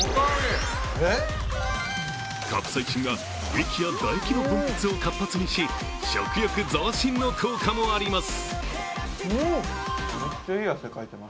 カプサイシンは胃液や唾液の分泌を活発にし食欲増進の効果もあります。